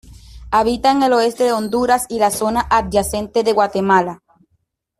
Habita en el oeste de Honduras y la zona adyacente de Guatemala.